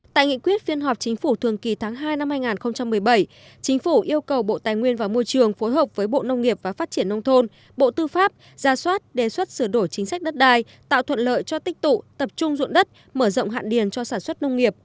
tại nghị quyết phiên họp chính phủ thường kỳ tháng hai năm hai nghìn một mươi bảy chính phủ yêu cầu bộ tài nguyên và môi trường phối hợp với bộ nông nghiệp và phát triển nông thôn bộ tư pháp ra soát đề xuất sửa đổi chính sách đất đai tạo thuận lợi cho tích tụ tập trung dụng đất mở rộng hạn điền cho sản xuất nông nghiệp